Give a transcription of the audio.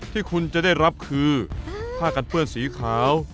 ที่คุณจะได้รับคือผ้ากันเปื้อนสีขาว